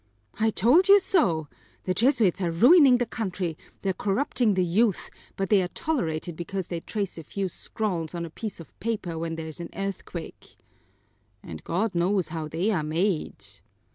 "I told you so. The Jesuits are ruining the country, they're corrupting the youth, but they are tolerated because they trace a few scrawls on a piece of paper when there is an earthquake." "And God knows how they are made!"